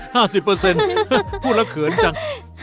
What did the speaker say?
ห้าสิบเปอร์เซ็นต์พูดแล้วเขินจัง